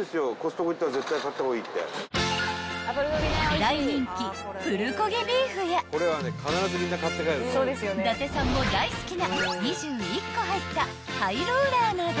［大人気プルコギビーフや伊達さんも大好きな２１個入ったハイローラーなど］